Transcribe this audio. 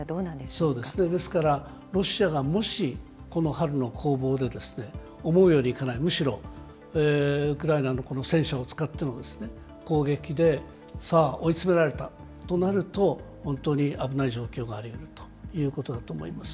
そうですね、ですからロシアがもしこの春の攻防で思うようにいかない、むしろウクライナのこの戦車を使っての攻撃で、さあ、追い詰められたとなると、本当に危ない状況になりうるということだと思います。